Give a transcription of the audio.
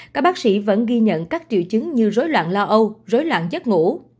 các bác sĩ vẫn ghi nhận các triệu chứng như rối loạn lo âu rối loạn giấc ngủ